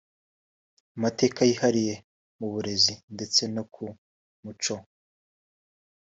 amateka yihariye mu burezi ndetse no ku muco